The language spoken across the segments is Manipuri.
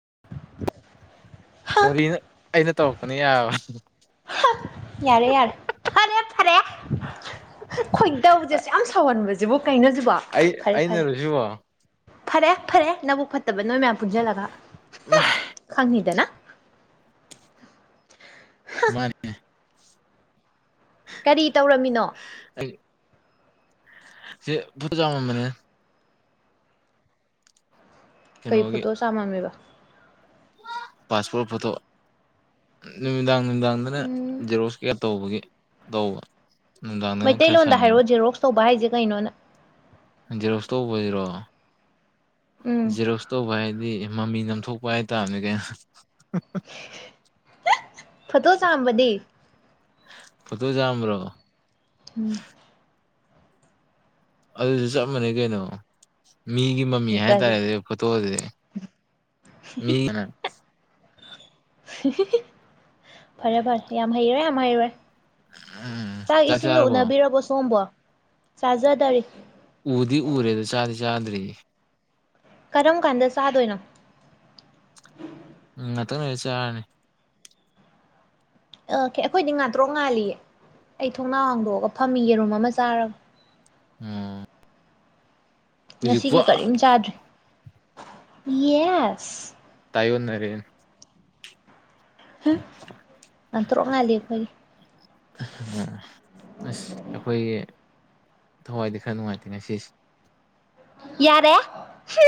[unintelligible] ꯑꯃ ꯌꯥꯎ ꯌꯥꯔꯦ ꯌꯥꯔꯦ ꯐꯔꯦ ꯐꯔꯦ ꯈꯣꯏꯗꯧꯁꯦ ꯑꯁꯨꯛꯌꯥꯝ ꯁꯥꯎꯍꯟꯕꯁꯦ ꯀꯩꯅꯣ ꯖꯤꯕꯣ ꯑꯩ ꯐꯔꯦ ꯐꯔꯦ ꯑꯩꯅꯔꯁꯨꯕꯣ ꯐꯔꯦ ꯐꯔꯦ ꯅꯕꯨꯛ ꯐꯠꯇꯕ ꯅꯣꯏ ꯃꯌꯥꯝ ꯄꯨꯟꯁꯤꯜꯂꯒ ꯍꯥꯑ ꯈꯪꯅꯤꯗꯅ ꯃꯥꯅꯦ ꯀꯔꯤ ꯇꯧꯔꯝꯃꯤꯅꯣ [unintelligible] ꯆꯥꯃꯝꯕꯅꯦ ꯀꯩ ꯐꯣꯇꯣ ꯆꯥꯃꯝꯃꯤꯕ ꯄꯥꯁꯄꯣꯠ ꯐꯣꯇꯣ ꯅꯨꯃꯤꯗꯥꯡ ꯅꯨꯡꯗꯥꯡꯗꯅ ꯎꯝ ꯖꯦꯔꯣꯁꯀꯤ ꯇꯧꯕꯒꯤ ꯇꯧꯕ ꯅꯨꯡꯗꯥꯡꯗꯅ ꯈꯔ ꯃꯩꯇꯩꯂꯣꯟꯗ ꯁꯪꯉꯦꯅ ꯍꯥꯏꯔꯣꯑꯣ ꯖꯦꯔꯣꯛꯁ ꯇꯧꯕ ꯍꯥꯏꯁꯦ ꯀꯩꯅꯣꯅ ꯖꯦꯔꯣꯛꯁ ꯇꯧꯕꯁꯤꯔꯣ ꯎꯝ ꯖꯤꯔꯣꯁꯇꯧꯕ ꯍꯥꯏꯗꯤ ꯃꯃꯤ ꯅꯝꯊꯣꯛꯄ ꯍꯥꯏꯇꯥꯝꯅꯦ ꯀꯩꯅ ꯐꯣꯇꯣ ꯆꯥꯝꯕꯗꯤ ꯐꯣꯇꯣ ꯆꯥꯝꯕꯔꯣ ꯎꯝ ꯑꯗꯨꯁꯨ ꯆꯞ ꯃꯥꯟꯅꯩ ꯀꯩꯅꯣ ꯃꯤꯒꯤ ꯃꯃꯤ ꯍꯥꯏꯇꯥꯔꯦ ꯀꯔꯤ ꯑꯗꯨ ꯐꯣꯇꯣꯁꯗꯨꯗꯤ ꯃꯤ ꯍꯤꯍꯤꯍꯤ ꯐꯔꯦ ꯐꯔꯦ ꯌꯥꯝ ꯍꯩꯔꯦ ꯌꯥꯝ ꯍꯩꯔꯦ ꯎꯝ ꯆꯥꯛ ꯏꯁꯤꯡꯒ ꯆꯥꯔꯕꯣ ꯎꯅꯕꯤꯔꯕꯣ ꯁꯣꯝꯕꯣ ꯆꯥꯖꯗꯔꯤ ꯎꯗꯤ ꯎꯔꯦꯗꯣ ꯆꯥꯗꯤ ꯆꯥꯗ꯭ꯔꯤꯌꯦ ꯀꯔꯝ ꯀꯥꯟꯗ ꯆꯥꯗꯣꯏꯅꯣ ꯎꯝ ꯉꯇꯡ ꯂꯩꯔ ꯆꯔꯅꯤ ꯑꯣꯀꯦ ꯑꯩꯈꯣꯏꯗꯤ ꯉꯥꯇ꯭ꯔꯣꯛ ꯉꯥꯜꯂꯤꯌꯦ ꯑꯩ ꯊꯣꯡꯅꯥꯎ ꯍꯥꯡꯗꯣꯛꯑꯒ ꯐꯝꯃꯤ ꯌꯦꯔꯨꯝ ꯑꯃ ꯆꯥꯔꯒ ꯎꯝ ꯉꯁꯤꯒꯤ ꯀꯔꯤꯝ ꯆꯥꯗ꯭ꯔꯤ ꯌꯦꯁ ꯇꯥꯏꯑꯣꯟꯅꯔꯦ ꯍꯨꯝ ꯉꯥꯟꯇ꯭ꯔꯣꯛ ꯉꯥꯜꯂꯤ ꯑꯩꯈꯣꯏꯒꯤ ꯑ ꯑꯁ ꯑꯩꯈꯣꯏꯒꯤ ꯊꯋꯥꯏꯗꯤ ꯈꯔ ꯅꯨꯡꯉꯥꯏꯇꯦ ꯉꯁꯤꯁꯦ ꯌꯥꯔꯦ ꯍꯨꯝ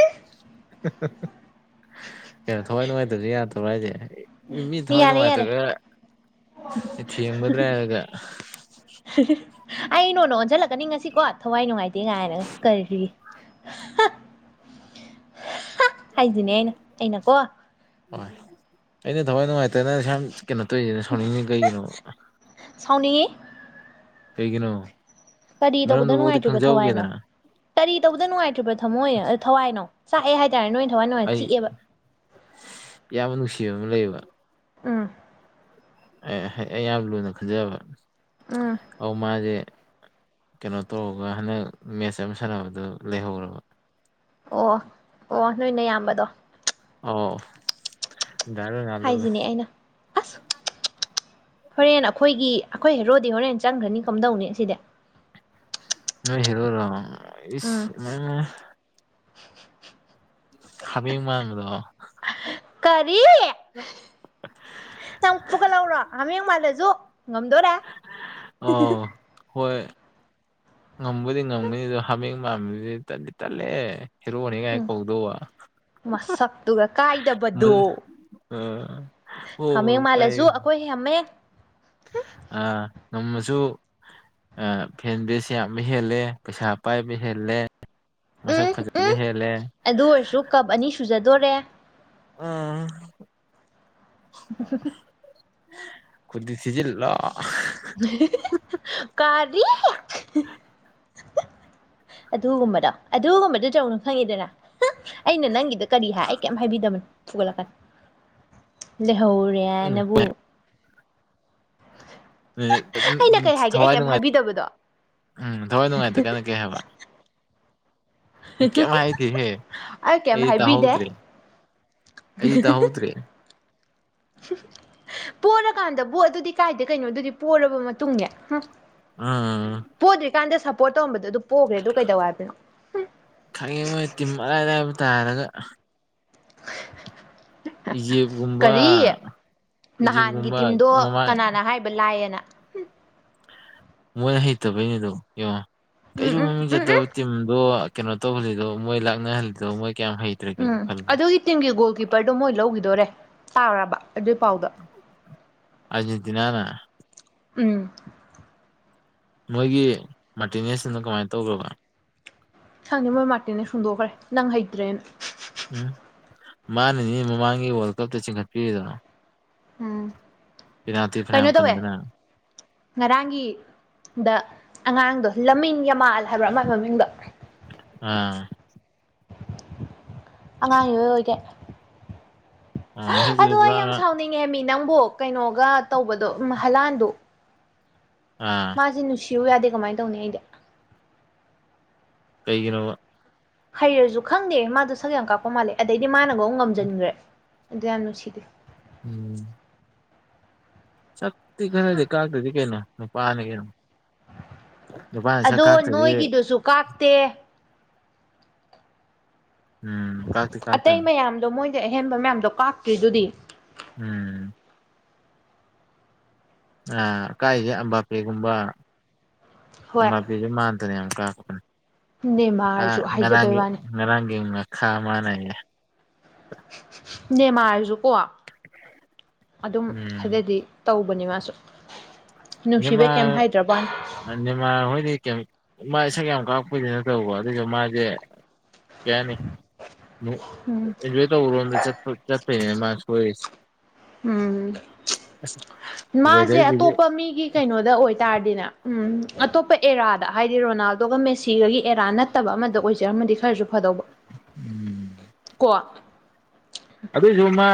[unintelligible] ꯀꯩꯅ ꯊꯋꯥꯏ ꯅꯨꯡꯉꯥꯏꯇꯕꯁꯦ ꯌꯥꯗꯕ꯭ꯔꯣ ꯍꯥꯏꯖꯦ ꯃꯤ ꯊꯋꯥꯏ ꯌꯥꯔꯦ ꯌꯥꯔꯦ ꯅꯨꯡꯉꯥꯏꯇ꯭ꯔꯒ ꯊꯦꯝꯒꯗ꯭ꯔ ꯍꯥꯏꯔꯒ ꯑꯩ ꯅ ꯑꯣꯏꯅ ꯑꯣꯟꯁꯤꯜꯂꯛꯀꯅꯤ ꯉꯁꯤꯀꯣ ꯊꯋꯥꯏ ꯅꯨꯡꯉꯥꯏꯇꯦ ꯉꯥꯏꯅꯒ ꯀꯔꯤ ꯍ ꯍꯥꯏꯗꯤꯅꯦ ꯑꯩꯅ ꯑꯩꯅꯀꯣ ꯍꯣꯏ ꯑꯩꯅ ꯊꯋꯥꯏ ꯅꯨꯡꯉꯥꯏꯇ꯭ꯔ ꯅꯪꯅ ꯁꯨꯌꯥꯝ ꯀꯩꯅꯣ ꯇꯧꯔꯤꯁꯤꯅ ꯁꯥꯎꯅꯤꯡꯉꯤ ꯀꯩꯒꯤꯅꯣꯕ ꯁꯥꯎꯅꯤꯡꯉꯤ ꯀꯩꯒꯤꯅꯣ ꯀꯔꯤ ꯇꯧꯕꯗ ꯃꯔꯝꯗꯨꯐꯥꯎꯗꯤ ꯅꯨꯡꯉꯥꯏꯇ꯭ꯔꯤꯕ ꯊꯋꯥꯏꯅꯣ ꯈꯪꯖꯍꯧꯒꯦꯗꯅ ꯀꯔꯤ ꯇꯧꯕꯗ ꯅꯨꯡꯉꯥꯏꯇ꯭ꯔꯤꯕ ꯊꯝꯃꯣꯏ ꯑꯥ ꯊꯋꯥꯏꯅꯣ ꯆꯥꯛꯑꯦ ꯍꯥꯏꯇꯥꯔꯦ ꯅꯣꯏ ꯊꯋꯥꯏ ꯅꯨꯉꯥꯏ ꯆꯤꯛꯑꯦꯕ ꯏꯌꯥꯝꯕ ꯅꯨꯡꯁꯤꯕ ꯑꯃ ꯂꯩꯌꯦꯕ ꯎꯝ ꯑꯦ ꯑꯩ ꯌꯥꯝ ꯂꯨꯅ ꯈꯟꯖꯕ ꯎꯝ ꯑꯥꯎ ꯃꯥꯁꯦ ꯀꯩꯅꯣ ꯇꯧꯔꯒ ꯍꯟꯗꯛ ꯃꯦꯠꯁ ꯑꯃ ꯁꯥꯟꯅꯕꯗꯨ ꯂꯩꯍꯧꯔꯕ ꯑꯣ ꯑꯣ ꯑꯣ ꯅꯣꯏ ꯅꯌꯥꯝꯕꯗꯣ ꯑꯣ ꯍꯥꯏꯁꯤꯅꯤ ꯑꯩꯅ ꯑꯁ ꯍꯣꯔꯦꯟ ꯑꯩꯈꯣꯏꯒꯤ ꯑꯩꯈꯣꯏ ꯍꯦꯔꯣꯗꯤ ꯍꯣꯔꯦꯟ ꯆꯪꯒ꯭ꯔꯅꯤ ꯀꯝꯗꯧꯅꯤ ꯑꯁꯤꯗꯤ ꯅꯣꯏ ꯍꯦꯔꯣꯔꯣ ꯎꯝ ꯏꯁ ꯃꯩ ꯃꯩ ꯍꯥꯃꯦꯡ ꯃꯥꯟꯕꯗꯣ ꯀꯔꯤ [unintelligible] ꯇꯣ ꯍꯥꯃꯦꯡ ꯃꯥꯜꯂꯁꯨ ꯉꯝꯗꯣꯔꯦ ꯑꯧ ꯍꯣꯏ ꯉꯝꯕꯨꯗꯤ ꯉꯝꯒꯅꯤ ꯑꯗꯣ ꯍꯥꯃꯦꯡ ꯃꯥꯝꯕꯗꯨꯗꯤ ꯇꯟꯗꯤ ꯇꯠꯂꯦꯍꯦ ꯍꯦꯔꯣꯅꯤꯀꯥꯏ ꯎꯝ ꯀꯧꯗꯧꯕ ꯃꯁꯛꯇꯨꯒ ꯃꯜ ꯀꯥꯏꯗꯕꯗꯣ ꯑꯥ ꯑꯣ ꯍꯥꯃꯦꯡ ꯀꯥꯏ ꯃꯥꯜꯂꯁꯨ ꯑꯩꯈꯣꯏ ꯍꯥꯃꯦꯡ ꯑꯥ ꯉꯝꯃꯁꯨ ꯑꯥ ꯐꯦꯟ ꯕꯦꯁ ꯌꯥꯝꯅ ꯍꯦꯜꯂꯦ ꯄꯩꯁꯥ ꯄꯥꯏꯕ ꯍꯦꯜꯂꯦ ꯃꯁꯛ ꯎꯝ ꯐꯖꯕ ꯎꯝ ꯍꯦꯜꯂꯦ ꯑꯗꯨ ꯑꯣꯏꯔꯁꯨ ꯀꯞ ꯑꯅꯤ ꯁꯨꯖꯗꯣꯔꯦ ꯎꯝ [unintelligible] ꯈꯨꯨꯗꯤ ꯊꯤꯖꯤꯜꯂꯣ ꯀꯥꯔꯤ ꯑꯗꯨꯒꯨꯝꯕꯗꯣ ꯑꯗꯨꯒꯨꯝꯕꯗꯣ ꯇꯧꯅꯨ ꯈꯪꯉꯦꯗꯅ ꯑꯩꯅ ꯅꯪꯒꯤꯗ ꯀꯔꯤ ꯍꯥꯏ ꯑꯩ ꯀꯩꯝ ꯍꯥꯏꯕꯤꯗꯕꯅꯦ ꯐꯨꯒꯠꯂꯛꯀꯥꯅꯤ ꯂ ꯍꯧꯔꯦ ꯎꯝ ꯍꯤꯏꯌꯦꯅꯕꯨ ꯔꯦ ꯑꯗꯨ ꯑꯩꯅ ꯎ ꯀꯩ ꯍꯥꯏꯒꯦ ꯑꯩ ꯊꯋꯥꯏ ꯀꯩꯝ ꯅꯨꯡꯉꯥꯏ ꯍꯥꯏꯕꯤꯗꯕꯗꯣ ꯎꯝ ꯊꯋꯥꯏ ꯅꯨꯡꯉꯥꯏꯇ ꯀꯥꯟꯗ ꯀꯩ ꯍꯥꯏꯕ ꯏ ꯀꯩꯝ ꯍꯥꯏꯗꯦꯍꯦ ꯑꯩ ꯀꯩꯝ ꯑꯩꯗꯤ ꯍꯥꯏꯕꯤꯗꯦ ꯇꯥꯍꯧꯗ꯭ꯔꯦ ꯑꯩꯗꯤ ꯇꯥꯍꯧꯗ꯭ꯔꯦ ꯄꯣꯔꯀꯥꯟꯗꯕꯨ ꯑꯗꯨꯗꯤ ꯀꯥꯏꯗ ꯀꯩꯅꯣ ꯑꯗꯨꯗꯤ ꯄꯣꯔꯕ ꯃꯇꯨꯡꯅꯦ ꯍꯨꯡ ꯎꯝ ꯀꯥꯟꯗ ꯁꯞꯄꯣꯔꯠ ꯇꯧꯔꯝꯕꯗꯨ ꯑꯗꯨ ꯄꯣꯛꯈ꯭ꯔꯦ ꯗꯨ ꯀꯩꯗꯧ ꯍꯥꯏꯕꯅꯣ ꯈꯪꯉꯦ ꯃꯣꯏ ꯇꯤꯝ ꯑꯔꯥꯏ ꯑꯔꯥꯏꯕ ꯇꯥꯔꯒ ꯏꯖꯤꯞꯒꯨꯝꯕ ꯀꯔꯤ ꯅꯍꯥꯟꯒꯤ ꯏꯖꯤꯞꯒꯨꯝꯕ ꯇꯤꯝꯗꯣ ꯃꯃꯥꯡ ꯀꯅꯥꯅ ꯍꯥꯏꯕ ꯂꯥꯏꯌꯦꯅ ꯍꯨꯝ ꯃꯣꯏꯅ ꯍꯩꯇꯕꯩꯅꯦ ꯑꯗꯣ ꯌꯦꯡꯉꯣ ꯀꯩꯁꯨ ꯎꯝ ꯎꯝ ꯃꯃꯤꯡ ꯎꯝ ꯎꯝ ꯆꯠꯇꯕ ꯇꯤꯝꯗꯣ ꯀꯩꯅꯣ ꯇꯧꯍꯜꯂꯤꯗꯣ ꯃꯣꯏ ꯂꯥꯛꯅꯍꯜꯂꯤꯗꯣ ꯃꯣꯏ ꯀꯌꯥꯝ ꯍꯩꯇ꯭ꯔꯒꯦꯗꯣ ꯎꯝ ꯈꯜꯂꯣ ꯑꯗꯨꯒꯤ ꯇꯤꯝꯒꯤ ꯒꯣꯜ ꯀꯤꯞꯄꯔꯗꯣ ꯃꯣꯏ ꯂꯧꯒꯤꯗꯣꯔꯦ ꯇꯥꯔꯕ ꯑꯗꯨ ꯄꯥꯎꯗꯣ ꯇꯤꯅꯅ ꯎꯝ ꯃꯣꯏꯒꯤ ꯃꯥꯔꯇꯤꯅꯦꯁꯇꯨꯅ ꯀꯃꯥꯏꯟ ꯇꯧꯒ꯭ꯔꯕ ꯈꯪꯗꯦ ꯃꯣꯏ ꯃꯥꯔꯇꯦꯅꯦ ꯍꯨꯟꯗꯣꯛꯈ꯭ꯔꯦ ꯅꯪ ꯍꯩꯇ꯭ꯔꯦꯅ ꯎꯝ ꯃꯥꯅꯅꯤꯅꯦ ꯃꯃꯥꯡꯒꯤ ꯋꯥꯔꯜ ꯀꯞꯇ ꯆꯤꯡꯈꯠꯄꯤꯔꯤꯗꯣ ꯎꯝ ꯄꯦꯅꯥꯜꯇꯤ ꯐꯅꯌꯥꯝ ꯀꯩꯅꯣ ꯇꯧꯋꯦ ꯀꯟꯗꯅ ꯉꯔꯥꯡꯒꯤ ꯗ ꯑꯉꯥꯡꯗꯣ ꯂꯃꯤꯟ ꯌꯃꯥꯜ ꯍꯥꯏꯕ꯭ꯔꯥ ꯃꯥꯏ ꯃꯃꯤꯡꯗꯣ ꯑꯥ ꯑꯉꯥꯡ ꯏꯑꯣꯏ ꯑꯣꯏꯒꯩ ꯃꯁꯛꯇꯨꯁꯨ ꯑꯗꯣ ꯄꯨꯔꯥ ꯑꯩ ꯌꯥꯝ ꯁꯥꯎꯅꯤꯡꯉꯦꯃꯤ ꯅꯪꯕꯨ ꯀꯩꯅꯣꯒ ꯇꯧꯕꯗꯣ ꯍꯂꯥꯟꯗꯨ ꯑꯥ ꯃꯥꯁꯦ ꯅꯨꯡꯁꯤꯌꯨ ꯌꯥꯗꯦ ꯀꯃꯥꯏꯅ ꯇꯧꯅꯤ ꯑꯩꯗꯤ ꯀꯩꯒꯤꯅꯣꯕ ꯍꯩꯔꯁꯨ ꯈꯪꯗꯦ ꯃꯥꯗꯣ ꯁꯛ ꯌꯥꯝ ꯀꯥꯛꯄ ꯃꯥꯜꯂꯦ ꯑꯗꯩꯗꯤ ꯃꯥꯅꯒ ꯑꯃꯨꯛ ꯉꯝꯖꯤꯟꯒ꯭ꯔꯦ ꯑꯗꯨ ꯌꯥꯝ ꯅꯨꯡꯁꯤꯗꯦ ꯎꯝ ꯁꯛꯇꯤ ꯈꯔꯗꯤ ꯀꯥꯇꯗꯤ ꯀꯩꯅꯣ ꯅꯨꯄꯥꯅꯤ ꯀꯩꯅꯣ ꯅꯨꯄꯥꯅ ꯁꯛ ꯑꯗꯣ ꯀꯥꯛꯇꯗꯤ ꯅꯣꯏꯒꯤꯗꯨꯁꯨ ꯀꯥꯛꯇꯦ ꯎꯝ ꯀꯥꯥꯛꯇꯤ ꯀꯥꯥꯛꯇꯝꯅꯤ ꯁꯤ ꯑꯍꯦꯟꯕ ꯃꯌꯥꯝꯗꯣ ꯀꯥꯛꯇ꯭ꯔꯤꯗꯨꯗꯤ ꯎꯝ ꯑꯀꯥꯏꯁꯦ ꯑꯝꯕꯥꯄꯤꯒꯨꯝꯕ ꯍꯣꯏ ꯑꯝꯕꯥꯄꯤꯁꯦ ꯃꯥꯟ ꯌꯥꯝ ꯀꯥꯛꯄꯅꯦ ꯑ ꯅꯦꯃꯥꯔꯁꯨ ꯍꯥꯏꯖꯕꯩ ꯉꯔꯥꯡꯒꯤ ꯋꯥꯅꯤ ꯉꯔꯥꯡꯒꯤ ꯉ ꯉꯈ ꯃꯥ ꯅꯩꯔꯦ ꯅꯦꯃꯥꯔꯖꯨꯀꯣ ꯑꯗꯨꯝ ꯎꯝ ꯈꯔꯗꯤ ꯇꯧꯕꯅꯤ ꯃꯥꯁꯨ ꯅꯨꯡꯁꯤꯕꯩ ꯀꯩꯝ ꯅꯦꯃꯔ ꯍꯥꯏꯗ꯭ꯔꯕ ꯋꯥꯅꯤ ꯅꯦꯃꯔ ꯍꯣꯏꯗꯤ ꯀꯦꯝ ꯃꯥꯁꯤ ꯁꯛ ꯌꯥꯝ ꯀꯥꯔꯛꯄꯗꯤ ꯅꯠꯇꯕꯀꯣ ꯑꯗꯨ ꯑꯣꯏꯁꯨ ꯃꯥꯁꯦ ꯀꯩ ꯍꯥꯏꯅꯤ ꯎꯝ ꯑꯦꯟꯖꯣꯏ ꯇꯧꯕꯔꯣꯝꯗ ꯆꯠꯄꯒꯤꯅꯤ ꯃꯥ ꯁꯣꯏꯔꯤꯁꯦ ꯎꯝ ꯑꯁ ꯃꯥꯁꯦ ꯋꯦꯗꯔꯁꯤꯗꯤ ꯑꯇꯣꯞꯄ ꯃꯤꯒꯤ ꯀꯩꯅꯣꯗ ꯑꯣꯏꯇꯥꯔꯗꯤꯅꯦ ꯎꯝ ꯑꯇꯣꯞꯄ ꯑꯦꯔꯥꯗ ꯍꯥꯏꯗꯤ ꯔꯣꯅꯥꯜꯗꯣꯒ ꯃꯦꯁꯤꯒꯒꯤ ꯑꯦꯔꯥ ꯅꯠꯇꯕ ꯑꯃꯗ ꯑꯣꯏꯖꯔꯝꯃꯗꯤ ꯈꯔꯁꯨ ꯐꯗꯧꯕ ꯎꯝ [inaudible] ꯀꯣ ꯑꯗꯨꯏꯖꯨ ꯃꯥ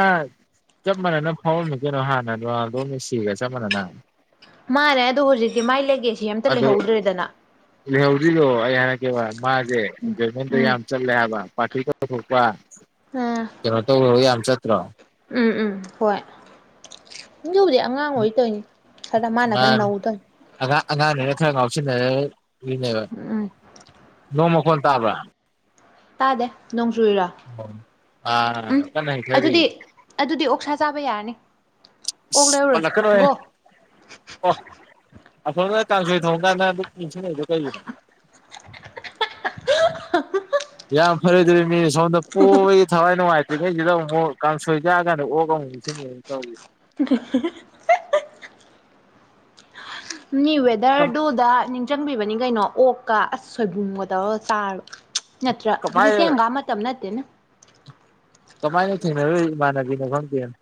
ꯆꯞ ꯃꯥꯟꯅꯅ ꯐꯥꯎꯔꯝꯃꯤ ꯀꯩꯅꯣ ꯍꯥꯟꯅ ꯔꯣꯅꯥꯜꯗꯣ ꯃꯦꯁꯤꯒ ꯆꯞ ꯃꯥꯟꯅꯅ ꯃꯥꯅꯦ ꯑꯗꯣ ꯍꯧꯖꯤꯛꯇꯤ ꯃꯥꯏ ꯂꯦꯒꯦꯁꯤ ꯑꯝꯇ ꯑꯗꯣ ꯂꯩꯍꯧꯗ꯭ꯔꯦꯗꯅ ꯂꯩꯍꯧꯗ꯭ꯔꯤꯗꯣ ꯑꯩ ꯍꯥꯏꯔꯛꯀꯦꯕ ꯃꯥꯁꯦ ꯑꯦꯟꯖꯣꯏꯃꯦꯟꯗꯣ ꯎꯝ ꯌꯥꯝ ꯆꯠꯂꯦ ꯍꯥꯏꯕ ꯄꯥꯇꯤꯒ ꯇꯧꯊꯣꯛꯄ ꯎꯝ ꯀꯩꯅꯣ ꯇꯧꯕ ꯌꯥꯝ ꯆꯠꯇ꯭ꯔꯣ ꯎꯝ ꯎꯝ ꯍꯣꯏ ꯑꯗꯨꯕꯨꯗꯤ ꯑꯉꯥꯡ ꯑꯣꯏ ꯇꯧꯏꯅꯤ ꯈꯔ ꯃꯥꯅ ꯈꯔ ꯃꯥꯟꯅꯤ ꯅꯧꯗꯣꯏꯅꯤ ꯑꯉꯥꯡ ꯑꯉꯥꯡꯅꯤꯅ ꯈꯔ ꯉꯥꯎ ꯎꯝ ꯎꯝ [unintelligible] ꯅꯣꯡ ꯃꯈꯣꯟ ꯇꯥꯕꯔ ꯇꯥꯗꯦ ꯅꯣꯡ ꯆꯨꯏꯔꯥ ꯑꯥ ꯎꯝ ꯀꯟꯅ ꯑꯗꯨꯗꯤ ꯍꯩꯊꯔꯤ ꯑꯗꯨꯗꯤ ꯑꯣꯛꯁꯥ ꯆꯥꯕ ꯌꯥꯔꯅꯤ ꯑꯣꯛ ꯑꯁ ꯂꯩꯔꯨꯔꯣ ꯄꯜꯂꯛꯀꯅꯣꯍꯦ ꯒꯣ ꯑꯣ ꯑꯁꯣꯝꯗ ꯀꯥꯡꯁꯣꯏ ꯊꯣꯡꯂꯤꯀꯥꯟꯗ ꯑꯗꯨ ꯏꯟꯁꯤꯡꯂꯛꯏꯗꯣ ꯀꯩꯒꯤꯅꯣ [unintelligible] ꯌꯥꯝ ꯐꯔꯣꯏꯗꯧꯔꯤ ꯃꯤꯅꯤ ꯁꯣꯝꯗ ꯄꯣꯕꯒꯤ ꯊꯋꯥꯏ ꯅꯨꯡꯉꯥꯏ ꯇ꯭ꯔꯤꯉꯩꯁꯤꯗ ꯑꯃꯨꯛ ꯀꯥꯡꯁꯣꯏ ꯆꯥꯔꯀꯥꯟꯗ ꯑꯣꯛ ꯑꯃꯨꯛ ꯅꯤꯡꯁꯤꯡꯉꯛꯑꯦ ꯇꯧꯔꯤꯖꯦ [unintelligible] ꯅꯦ ꯀꯝ ꯋꯦꯗꯔꯗꯨꯗ ꯅꯤꯡꯁꯤꯡꯕꯤꯕꯅꯤ ꯀꯩꯅꯣ ꯑꯣꯛꯀ ꯑꯁ ꯁꯣꯏꯕꯨꯝꯒ ꯇꯧꯔ ꯆꯥꯔꯗꯤ ꯅꯠꯇ꯭ꯔ ꯀꯃꯥꯏ ꯍꯧꯏꯖꯤ ꯍꯪꯒꯥꯝ ꯃꯇꯝ ꯅꯠꯇꯦꯅ ꯀꯃꯥꯏꯅ ꯊꯦꯡꯅꯔꯨꯏ ꯏꯃꯥꯟꯅꯕꯤꯅꯣ ꯈꯪꯗꯦꯅꯦ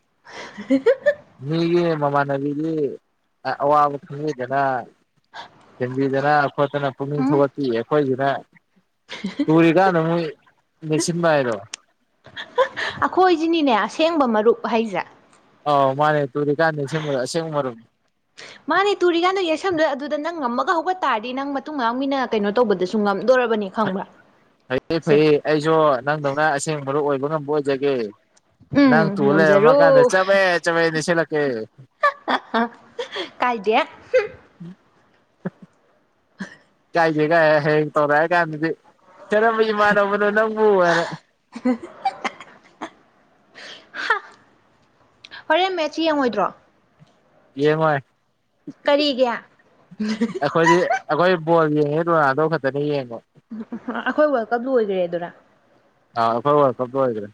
ꯃꯤꯒꯤ ꯃꯃꯥꯟꯅꯕꯤꯗꯤ ꯑꯋꯥꯕ ꯈꯪꯕꯤꯗꯅ ꯊꯦꯝꯕꯤꯗꯅ ꯈꯣꯠꯇꯅ ꯄꯨꯛꯅꯤꯡ ꯎꯝ ꯊꯧꯒꯠꯄꯤ ꯑꯩꯈꯣꯏꯁꯤꯅ ꯇꯨꯔꯤꯀꯥꯟꯗ ꯃꯣꯏ ꯅꯁꯤꯟꯕ ꯍꯥꯏꯔꯣ [unintelligible] ꯑꯈꯣꯏꯁꯤꯅꯤꯅꯦ ꯑꯁꯦꯡꯕ ꯃꯔꯨꯞ ꯍꯥꯏꯁꯦ ꯑꯥꯎ ꯃꯥꯥꯟꯅꯦ ꯇꯨꯨꯔꯤꯀꯥꯟꯗ ꯑꯁꯦꯡ ꯑꯁꯦꯡꯕ ꯃꯔꯨꯝ ꯃꯥꯅꯦ ꯇꯨꯔꯤꯀꯥꯟꯗꯣ ꯌꯥꯥꯩꯁꯟꯕꯗ ꯑꯗꯨꯗ ꯅꯪ ꯉꯝꯃꯒ ꯍꯧꯒꯠ ꯇꯥꯔꯗꯤ ꯅꯪ ꯃꯇꯨꯡ ꯃꯅꯥꯎ ꯃꯤꯅ ꯀꯩꯅꯣ ꯇꯧꯕꯗꯁꯨ ꯉꯝ ꯅꯦ ꯈꯪꯕ꯭ꯔꯥ ꯐꯩꯌꯦ ꯐꯩꯌꯦ ꯑꯩꯁꯨ ꯅꯪꯗꯧꯅ ꯑꯁꯦꯡꯕ ꯃꯔꯨꯞ ꯑꯣꯏꯕ ꯉꯝꯕ ꯑꯣꯏꯖꯒꯦ ꯎꯝ ꯅꯪ ꯇꯨ ꯂꯩꯔꯝꯃ ꯉꯝꯖꯔꯣ ꯀꯟꯗ ꯆꯕꯦꯠ ꯆꯕꯦꯠ ꯅꯦꯠꯁꯜꯂꯛꯀꯦ ꯀꯥꯏꯗꯦ ꯍꯨꯝ [unintelligible] [unintelligible] ꯀꯥꯢꯗꯦ ꯀꯥꯢ ꯍꯌꯦꯡ ꯇꯧꯔꯛꯑ ꯀꯟꯗꯗꯤ ꯀꯔꯝꯕ ꯢꯃꯥꯟꯅꯕꯅꯣ ꯅꯪꯕꯨ ꯍꯥꯏꯅ ꯍꯥ ꯍꯣꯔꯦꯟ ꯃꯦꯠꯁꯤ ꯌꯦꯡꯉꯣꯏꯗ꯭ꯔꯣ ꯌꯦꯡꯉꯣꯏ ꯀꯔꯤꯒꯤ ꯑꯩꯈꯣꯏꯗꯤ ꯑꯩꯈꯣꯏ ꯕꯣꯜ ꯌꯦꯡꯉꯦ ꯔꯣꯅꯥꯜꯗꯣ ꯈꯛꯇꯅꯦ ꯌꯦꯡꯕ ꯑꯥ ꯑꯩꯈꯣꯏ ꯋꯥꯔꯜ ꯀꯞ ꯂꯣꯏꯈ꯭ꯔꯦ ꯑꯗꯨꯔ ꯑ ꯑꯈꯣꯢ ꯋꯥꯜꯀꯞ ꯂꯣꯢꯈꯔꯦ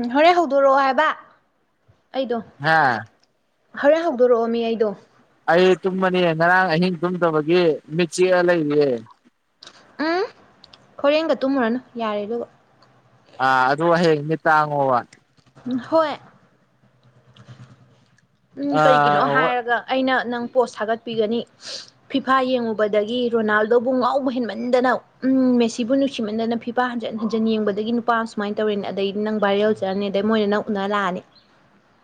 ꯎꯝ ꯍꯣꯔꯦꯟ ꯍꯧꯗꯣꯔꯛꯑꯣ ꯍꯥꯏꯕ ꯍꯥꯥ ꯍꯔꯦꯟ ꯍꯧꯗꯣꯔꯛꯑꯣꯃꯤ ꯑꯩꯗꯣ ꯑꯩ ꯇꯨꯝꯃꯅꯤ ꯉꯔꯥꯡ ꯑꯍꯤꯡ ꯇꯨꯝꯗꯕꯒꯤ ꯃꯤꯠꯆꯤꯛꯑ ꯂꯩꯔꯤꯅꯦ ꯎꯝ ꯍꯣꯔꯦꯟꯒ ꯇꯨꯝꯃꯨꯔꯅꯨ ꯌꯥꯔꯦ ꯑꯗꯨꯒ ꯑꯥ ꯑꯗꯨ ꯍꯌꯦꯡ ꯃꯤꯠ ꯇꯥꯡꯉꯣꯕ ꯍꯣꯏ ꯎꯝ ꯀꯩꯒꯤꯅꯣ ꯑꯥ ꯍꯥꯏꯔꯒ ꯑꯩꯅ ꯅꯪ ꯄꯣꯁ ꯊꯒꯠꯄꯤꯒꯅꯤ ꯐꯤꯐꯥ ꯌꯦꯡꯉꯨꯕꯗꯒꯤ ꯔꯣꯅꯥꯜꯗꯣꯕꯨ ꯉꯥꯎꯕ ꯍꯦꯟꯃꯟꯗꯅ ꯎꯝ ꯃꯦꯁꯤꯕꯨ ꯅꯨꯡꯁꯤꯃꯟꯗꯅ ꯐꯤꯐꯥ ꯍꯟꯖꯟ ꯍꯟꯖꯟ ꯌꯦꯡꯕꯗꯒꯤ ꯅꯨꯄꯥ ꯑꯃ ꯁꯨꯃꯥꯏꯅ ꯇꯧꯔꯦꯅ ꯑꯗꯒꯤ ꯅꯪ ꯚꯥꯏꯔꯦꯜ ꯆꯠꯂꯅꯤ ꯑꯗꯩ ꯃꯣꯏꯅ ꯅꯪ ꯎꯅ ꯂꯥꯛꯑꯅꯤ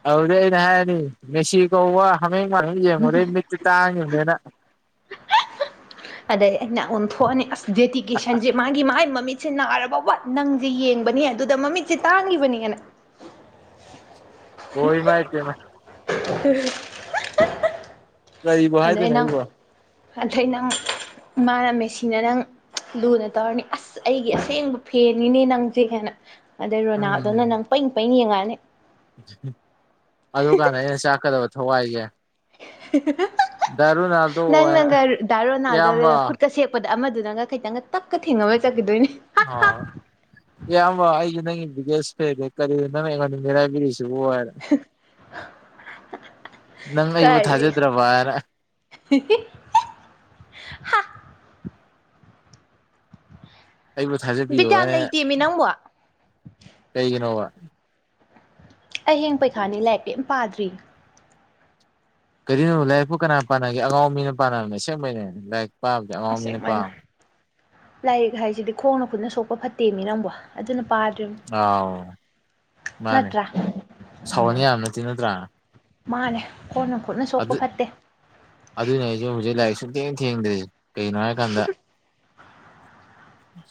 ꯑꯗꯨꯗꯩ ꯑꯩꯅ ꯍꯥꯏꯔꯅꯤ ꯃꯦꯁꯤꯗꯣ ꯋꯥ ꯕꯦꯠ ꯃꯟꯕ ꯑꯃ ꯌꯦꯡꯉꯨꯕꯗꯒꯤ ꯃꯤꯠꯇꯤ ꯇꯥꯡꯉꯤꯕꯅꯦꯅ ꯑꯗꯩ ꯑꯩꯅ ꯑꯣꯟ ꯊꯣꯛꯑꯅꯤ ꯑꯁ ꯗꯦꯗꯤꯀꯦꯁꯟꯁꯦ ꯃꯥꯒꯤ ꯃꯥꯏꯒꯤ ꯃꯃꯤꯠ ꯁꯦ ꯅꯥꯔꯕ ꯐꯥꯎꯕ ꯅꯪꯁꯦ ꯌꯦꯡꯕꯅꯤ ꯑꯗꯨꯗ ꯃꯤꯠꯁꯦ ꯇꯥꯡꯉꯤꯕꯅꯤꯅ ꯍꯣꯏ ꯢꯃꯥꯥꯏ ꯄꯦꯝꯃ [unintelligible] ꯀꯔꯤꯕꯨ ꯑꯗꯩ ꯍꯥꯢꯗꯣꯢꯅꯣ ꯅꯪ ꯑꯩꯕꯣ ꯑꯗꯩ ꯅꯪ ꯃꯥꯅ ꯃꯦꯁꯤꯅ ꯅꯪ ꯂꯨꯅ ꯇꯧꯔꯅꯤ ꯑꯁ ꯑꯩꯒꯤ ꯑꯁꯦꯡꯕ ꯐꯦꯟꯅꯤꯅꯦ ꯅꯪꯁꯦ ꯀꯥꯏꯅ ꯑꯗꯩ ꯔꯣꯅꯥꯜꯗꯣꯅ ꯅꯪ ꯄꯩ ꯄꯩꯅ ꯌꯦꯡꯉꯛꯑꯅꯤ ꯑꯗꯨ ꯀꯥꯟꯗ ꯑꯩꯅ ꯆꯥꯛꯀꯗꯕ ꯊꯋꯥꯏꯁꯦ ꯗꯥ ꯔꯣꯅꯥꯜꯗꯣ ꯍꯥꯏꯅ ꯅꯪꯅꯒ ꯗꯥ ꯏꯌꯥꯝꯕ ꯔꯣꯅꯥꯜꯗꯣꯗ ꯈꯨꯠꯀ ꯁꯦꯛꯄꯗꯣ ꯑꯃꯗꯨꯅꯒ ꯈꯤꯇꯪꯒ ꯇꯛꯀ ꯊꯦꯡꯉꯝꯃ ꯆꯠꯈꯤꯗꯣꯏꯅꯤ ꯑꯣ ꯢꯌꯥꯝꯕ ꯑꯩꯖꯦ ꯅꯪꯒꯤ ꯕꯤꯗꯤꯌꯣꯁ ꯐꯦꯟꯅꯤ ꯀꯔꯤꯅꯣ ꯅꯪꯅ ꯑꯩꯉꯣꯟꯗ ꯃꯤꯔꯥꯢꯕꯤꯔꯤꯁꯦ ꯇꯨ ꯋꯥꯟ ꯅꯪ ꯑꯩꯕꯨ ꯀꯔꯤ ꯊꯥꯖꯗ꯭ꯔꯕ ꯍꯥꯢꯅ ꯍꯥ ꯑꯩꯕꯨ ꯊꯥꯖꯕꯤꯌꯣ ꯕꯤꯠ ꯍꯥꯏ ꯌꯥꯝ ꯑꯩꯅ ꯂꯩꯇꯦꯃꯤ ꯅꯪꯕꯣ ꯑꯩ ꯀꯩꯒꯤꯅꯣꯕ ꯑꯩ ꯍꯌꯦꯡ ꯄꯩꯈꯥꯅꯤ ꯂꯥꯏꯔꯤꯛ ꯀꯩꯝ ꯄꯥꯗ꯭ꯔꯤꯌꯦ ꯀꯔꯤꯅꯣ ꯂꯥꯢꯔꯤꯡꯄꯨ ꯀꯅꯥ ꯄꯥꯅꯒꯦ ꯑꯉꯥꯎꯕ ꯃꯤꯅ ꯄꯥꯅꯕꯅꯦ ꯁꯦꯝꯕꯩꯅꯦ ꯂꯥꯏꯔꯤꯛ ꯄꯥꯕꯗꯤ ꯑꯉꯥꯎ ꯃꯤꯅ ꯑꯁꯦꯡꯕꯩꯅ ꯄꯥꯕꯅꯦ ꯂꯥꯏꯔꯤꯛ ꯍꯥꯏꯁꯤꯗꯤ ꯈꯣꯡꯅ ꯈꯨꯠꯅ ꯁꯣꯛꯄ ꯐꯠꯇꯦꯃꯤ ꯅꯪꯕꯣ ꯑꯗꯨꯅ ꯄꯥꯗ꯭ꯔꯤꯝꯅꯤ ꯑ ꯃꯥꯅꯦ ꯅꯠꯇ꯭ꯔꯥ ꯁꯥꯎꯍꯟ ꯌꯥꯕ ꯅꯠꯇꯦ ꯅꯠꯇ꯭ꯔ ꯃꯥꯅꯦ ꯈꯣꯡꯅ ꯈꯨꯠꯅ ꯁꯣꯛꯄ ꯑꯗꯨꯠ ꯐꯠꯇꯦ ꯑꯗꯨꯅꯦ ꯑꯩꯁꯨ ꯍꯧꯖꯤꯛ ꯂꯥꯏꯁꯨ ꯊꯦꯡ ꯊꯦꯡꯗ꯭꯭ꯔꯤ ꯀꯩꯒꯤꯅꯣ ꯍꯥꯏꯔꯀꯥꯟꯗ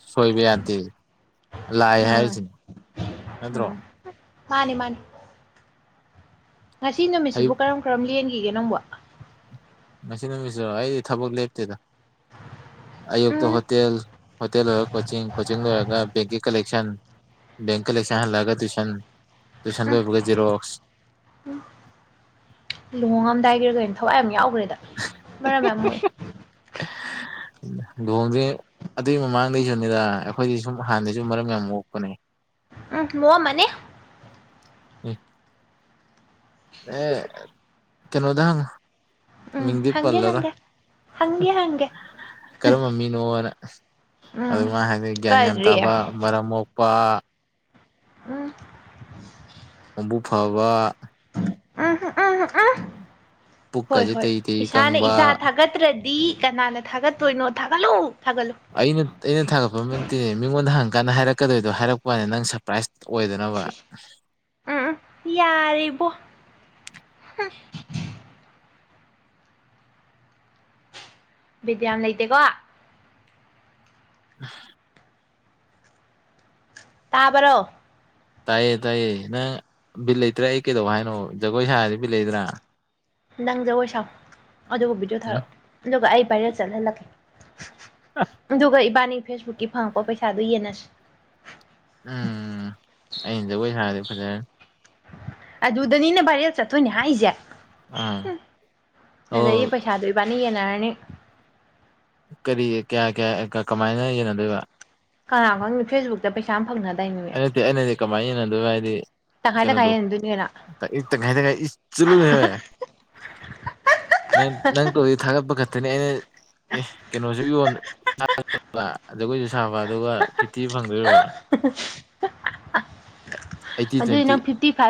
ꯁꯣꯏꯕ ꯌꯥꯗꯦ ꯂꯥꯏ ꯎꯝ ꯍꯥꯏꯔꯤꯁꯤꯅꯤ ꯅꯠꯇ꯭ꯔꯣ ꯃꯥꯅꯦ ꯃꯥꯅꯤ ꯉꯁꯤ ꯍꯩ ꯅꯨꯃꯤꯠꯁꯤꯕꯨ ꯀꯔꯝ ꯀꯔꯝ ꯂꯦꯟꯒꯤꯒꯦ ꯅꯪꯕꯣ ꯉꯁꯤ ꯅꯨꯃꯤꯠꯁꯤꯔꯣ ꯑꯩꯗꯤ ꯊꯕꯛ ꯂꯦꯞꯇꯦꯗ ꯑꯌꯨꯛꯇ ꯎꯝ ꯍꯣꯇꯦꯜ ꯍꯣꯇꯦꯜ ꯂꯣꯏꯔ ꯀꯣꯆꯤꯡ ꯀꯣꯆꯤꯡ ꯂꯣꯏꯔꯒ ꯕꯦꯡꯀꯤ ꯀꯂꯦꯛꯁꯟ ꯕꯦꯡ ꯀꯂꯦꯛꯁꯟ ꯍꯜꯂꯒ ꯇ꯭ꯌꯨꯁꯟ ꯇ꯭ꯌꯨꯁꯟ ꯎꯝ ꯂꯣꯏꯕꯒ ꯖꯦꯔꯣꯛꯁ ꯂꯨꯍꯣꯡꯉꯝꯗꯥꯏꯒꯤꯔꯣ ꯀꯩꯅꯣ ꯊꯋꯥꯏ ꯌꯥꯝ ꯌꯥꯎꯒ꯭ꯔꯦꯗ ꯃꯔꯝ ꯌꯥꯝ ꯃꯣꯛꯑꯦ ꯂꯨꯍꯣꯡꯗ꯭ꯔꯤ ꯑꯗꯨꯏ ꯃꯃꯥꯡꯗꯩꯁꯨꯅꯤꯗ ꯑꯩꯈꯣꯏꯗꯤ ꯁꯨꯝ ꯍꯥꯟꯗꯩꯁꯨ ꯃꯔꯝ ꯌꯥꯝ ꯃꯣꯛꯄꯅꯦ ꯎꯝ ꯃꯣꯛꯑꯝꯃꯅꯤ ꯑꯦ ꯑꯦ ꯀꯩꯅꯣꯗ ꯍꯪꯉꯣ ꯎꯝ ꯃꯤꯛꯗꯤ ꯍꯪꯒꯦ ꯄꯜꯂꯔꯣꯏ ꯍꯪꯒꯦ ꯍꯪꯒꯦ ꯍꯪꯒꯦ ꯀꯔꯝꯕ ꯃꯤꯅꯣꯅ ꯎꯝ ꯑꯗꯨ ꯃꯥ ꯍꯥꯏꯅꯤ ꯒ꯭ꯌꯥꯟ ꯌꯥꯝ ꯀꯔꯤ ꯇꯥꯕ ꯃꯔꯝ ꯃꯣꯛ ꯄꯥ ꯎꯝ ꯑꯕꯨꯛ ꯐꯕꯥ ꯎꯝ ꯎꯝ ꯎꯝ ꯎꯝ ꯍꯣꯏ ꯄꯨꯛꯀꯁꯦ ꯍꯣꯏ ꯇꯩ ꯇꯩ ꯏꯁꯥꯅ ꯀꯪꯕ ꯏꯁꯥ ꯊꯥꯒꯠꯇ꯭ꯔꯗ ꯗꯤ ꯀꯅꯥꯅ ꯊꯥꯒꯠꯇꯣꯏꯅꯣ ꯊꯥꯒꯠꯂꯨ ꯊꯥꯒꯠꯂꯨ ꯑꯩꯅ ꯑꯩꯅ ꯊꯥꯒꯠꯄ ꯑꯝ ꯅꯠꯇꯦ ꯃꯤꯉꯣꯟꯗ ꯍꯪꯉꯀꯥꯟꯗ ꯍꯥꯏꯔꯛꯀꯗꯣꯏꯗꯣ ꯍꯥꯏꯔꯛꯄꯥꯅꯦ ꯅꯪ ꯁꯔꯄ꯭ꯔꯥꯏꯖ ꯑꯣꯏꯗꯅꯕ ꯏꯁ ꯏꯁ ꯎꯝ ꯎꯝ ꯌꯥꯔꯦꯕꯣ ꯍꯨꯡ ꯕꯤꯠ ꯌꯥꯝ ꯂꯩꯇꯦꯀꯣ [inaudible] ꯇꯥꯕꯔꯣ ꯇꯥꯏꯌꯦ ꯇꯥꯏꯌꯦ ꯅꯪ ꯕꯤꯠ ꯂꯩꯇ꯭ꯔꯥ ꯑꯩ ꯀꯩꯗꯧ ꯍꯥꯏꯅꯣ ꯖꯒꯣꯏ ꯁꯥꯔꯗꯤ ꯕꯤꯠ ꯂꯩꯗ꯭ꯔ ꯅꯪ ꯖꯒꯣꯏ ꯁꯥꯎ ꯑꯗꯨꯒ ꯚꯤꯗꯤꯑꯣ ꯎꯝ ꯊꯥꯔꯛꯑꯣ ꯑꯗꯨꯒ ꯑꯩ ꯚꯥꯏꯔꯦꯜ ꯆꯠꯍꯜꯂꯛꯀꯦ ꯑꯗꯨꯒ ꯏꯕꯥꯅꯤ ꯐꯦꯁꯕꯨꯛꯀꯤ ꯐꯪꯉꯛꯄ ꯄꯩꯁꯥꯗꯨ ꯌꯦꯟꯅꯁꯤ ꯎꯡ ꯑꯗꯨꯗꯅꯤꯅꯦ ꯚꯥꯏꯔꯦꯜ ꯆꯠꯇꯣꯏꯅꯦ ꯍꯥꯏꯁꯦ ꯎꯝ ꯑꯣ ꯅꯤ ꯌꯦꯟꯅꯔꯅꯤ ꯀꯔꯤ ꯀꯌꯥ ꯀꯌꯥ ꯀ ꯀꯃꯥꯏꯅ ꯌꯦꯟꯅꯗꯣꯏꯕ ꯀꯅꯥ ꯈꯪꯅꯤ ꯐꯦꯁꯕꯨꯛꯇ ꯄꯩꯁꯥ ꯑꯝ ꯐꯪꯅ ꯑ ꯅꯠꯇꯦ ꯑꯩ ꯍꯥꯏꯗꯤ ꯀꯃꯥꯏꯟ ꯌꯦꯟꯅꯗꯣꯏꯕ ꯍꯥꯏꯗꯤ ꯇꯪꯈꯥꯏ ꯇꯪꯈꯥꯏ ꯀꯩꯅꯣꯗꯣ ꯌꯦꯟꯅꯗꯣꯏꯅꯤꯅ ꯇ ꯏ ꯇꯈꯥꯏ ꯇꯪꯈꯥꯏ ꯏꯁ ꯆꯠꯂꯨꯅꯦꯍꯦ ꯅꯪ ꯅꯪ ꯇꯣꯗꯨꯏ ꯊꯥꯒꯠꯄ ꯈꯛꯇꯅꯦ ꯑꯩꯅ ꯑꯦ ꯀꯩꯅꯣꯁꯨ ꯌꯣꯟ ꯖꯒꯣꯏꯁꯨ ꯁꯥꯕ ꯑꯗꯨꯒ ꯐꯤꯐꯇꯤ ꯐꯪꯗꯣꯏꯕ [unintelligible] ꯑꯩꯠꯇꯤ ꯑꯗꯨ ꯇ꯭ꯋꯦꯟꯇꯤ ꯅꯪ ꯐꯤꯐꯇꯤ ꯐꯥꯏꯚ